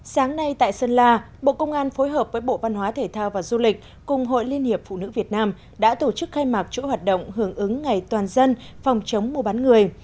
sáng nay tại sơn la bộ công an phối hợp với bộ văn hóa thể thao và du lịch cùng hội liên hiệp phụ nữ việt nam đã tổ chức khai mạc chủi hoạt động hưởng ứng ngày toàn dân phòng chống mua bán người